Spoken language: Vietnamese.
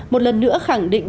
một lần nữa khẳng định